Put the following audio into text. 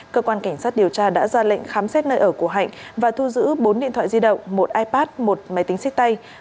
cơ quan cảnh sát điều tra đã ra lệnh khám xét nơi ở của hạnh và thu giữ bốn điện thoại di động một ipad một máy tính sách tay